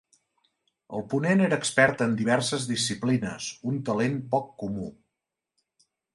El ponent era expert en diverses disciplines, un talent poc comú.